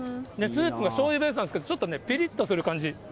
スープがしょうゆベースなんですけど、ちょっとね、ぴりっとする感じ。